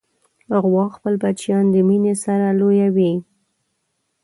غوا خپل بچیان د مینې سره لویوي.